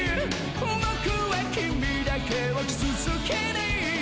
僕は君だけを傷つけない